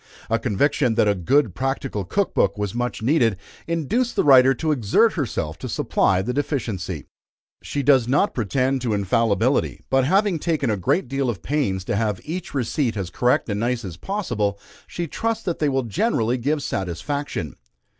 A conviction that a good practical Cook Book was much needed, induced the writer to exert herself to supply the deficiency. She does not pretend to infallibility, but having taken a great deal of pains to have each receipt as correct and nice as possible, she trusts that they will generally give satisfaction.